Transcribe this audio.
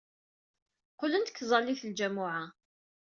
Qqlen-d seg tẓallit n ljamuɛa.